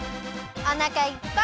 おなかいっぱい！